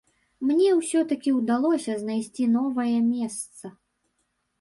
Мне ўсё-такі ўдалося знайсці новае месца.